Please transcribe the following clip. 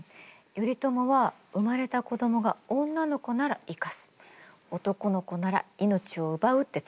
頼朝は生まれた子どもが女の子なら生かす男の子なら命を奪うって告げてたの。